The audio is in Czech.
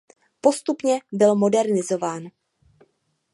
Postupně byl modernizován.